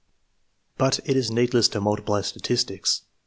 But it is needless to multiply statistics.